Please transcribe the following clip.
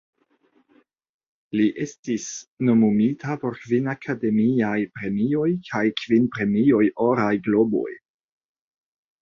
Li estis nomumita por kvin Akademiaj Premioj kaj kvin Premioj Oraj Globoj.